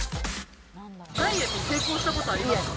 ダイエット、成功したことあります？